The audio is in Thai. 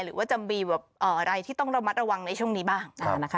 หรือว่าจะมีแบบอะไรที่ต้องระมัดระวังในช่วงนี้บ้างนะคะ